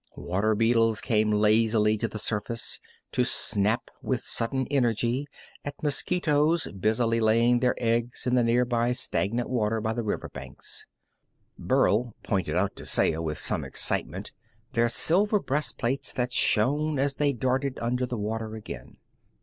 Water beetles came lazily to the surface, to snap with sudden energy at mosquitoes busily laying their eggs in the nearly stagnant water by the river banks. Burl pointed out to Saya, with some excitement, their silver breast plates that shone as they darted under the water again.